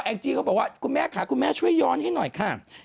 เองจิเขาก็บอกว่าคุณแม่ขาคุณแม่ช่วยย้อนให้หน่อยค่ะ